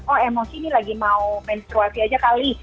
oh emosi ini lagi mau menstruasi aja kali